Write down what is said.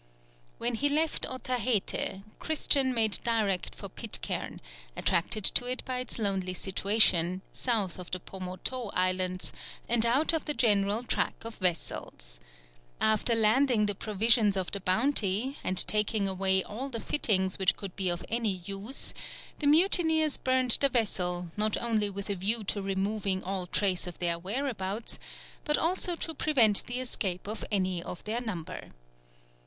When he left Otaheite, Christian made direct for Pitcairn, attracted to it by its lonely situation, south of the Pomautou Islands, and out of the general track of vessels. After landing the provisions of the Bounty and taking away all the fittings which could be of any use, the mutineers burnt the vessel not only with a view to removing all trace of their whereabouts, but also to prevent the escape of any of their number.